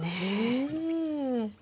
うん。